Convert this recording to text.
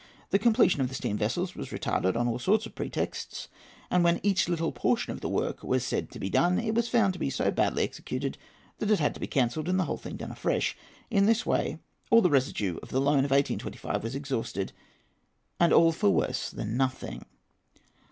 The completion of the steam vessels was retarded on all sorts of pretexts, and when each little portion of the work was said to be done, it was found to be so badly executed that it had to be cancelled and the whole thing done afresh. In this way all the residue of the loan of 1825 was exhausted, and all for worse than nothing.